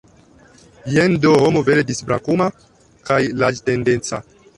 Jen do homo vere disbrakuma kaj larĝtendenca!